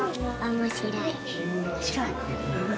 面白い？